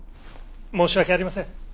申し訳ありません。